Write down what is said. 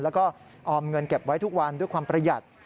แล้วก็ออมเงินเก็บไว้ทุกวันด้วยความประหยัด